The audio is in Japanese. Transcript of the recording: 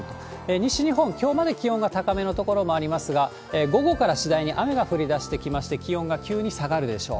西日本、きょうまで気温が高めの所がありますが、午後から次第に雨が降りだしてきまして、気温が急に下がるでしょう。